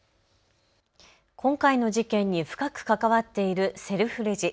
今回の事件に深く関わっているセルフレジ。